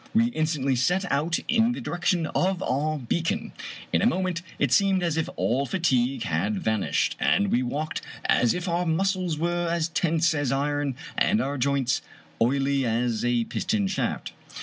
We instantly set out in the direction of our bea con. In a moment it seemed as if all fatigue had vanished, and we walked as if our muscles were as tense as iron and our joints oily as a piston shaft.